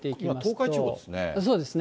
今、東海地方ですね。